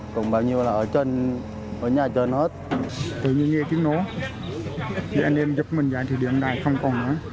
tự nhiên nghe tiếng nói anh em dập mình vào thủy điện đài không còn nữa